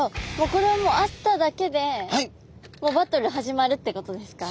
これはもう会っただけでもうバトル始まるってことですか？